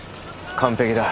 完璧だ。